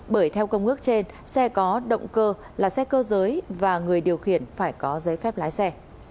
bởi theo công ước trên xe có động cơ là xe cơ giới và người điều khiển phải có giấy phép lái xe